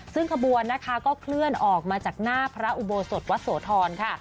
ซึ่งขบวนนะคะก็เคลื่อนออกมาจากหน้าพระอุโบสถวัดโสธรค่ะ